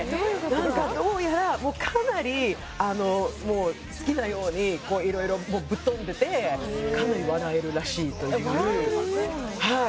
何かどうやらもうかなり好きなように色々もうぶっ飛んでてかなり笑えるらしいという・えっ笑える